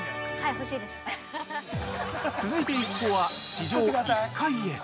続いて一行は地上１階へ。